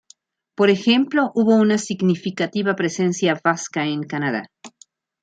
Por ejemplo hubo una significativa presencia vasca en Canadá.